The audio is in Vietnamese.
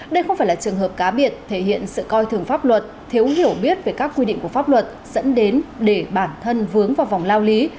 đây không phải là trường hợp cá biệt thể hiện sự coi thường pháp luật thiếu hiểu biết về các quy định của pháp luật dẫn đến để bản thân vướng vào vòng lao lý